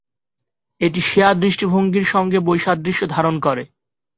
এটি শিয়া দৃষ্টিভঙ্গির সঙ্গে বৈসাদৃশ্য ধারণ করে।